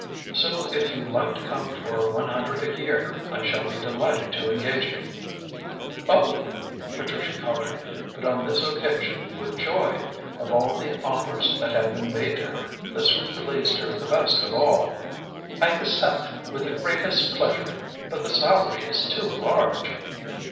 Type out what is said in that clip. So if you like to come for one hundred a year, I shall be delighted to engage you." "Oh!" Patricia coloured, but on this occasion with joy. Of all the offers that had been made to her, this one pleased her the best of all. "I accept with the greatest pleasure. But the salary is too large."